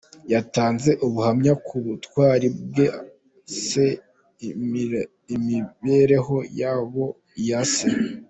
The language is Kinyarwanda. Yatanze ubuhamya ku butwari bwa Se n’imibereho y’abo yasize.